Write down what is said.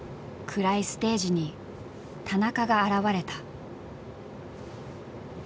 暗いステージに田中が現れた。